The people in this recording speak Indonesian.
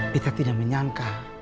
kita tidak menyangka